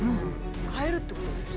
買えるってことですよ。